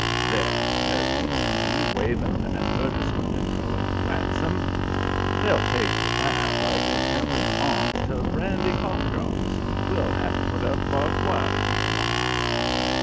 "There!" says Peter T., waving the advertisement and crowing gladsome; "they'll take to that like your temp'rance aunt to brandy cough drops. We'll have to put up barbed wire to keep 'em off."